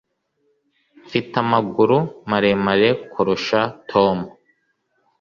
mfite amaguru maremare kurusha tom